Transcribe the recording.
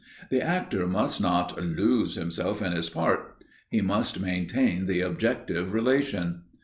The actor must not "lose himself in his part" he must maintain the objective relation.